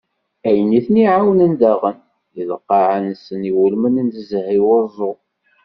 Ayen i ten-iεawnen daɣen, d lqaεa-nsen iwulmen nezzeh i wuẓu.